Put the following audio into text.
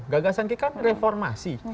gagasan kita kan reformasi